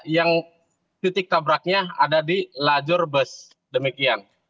yang titik tabraknya ada di lajur bus demikian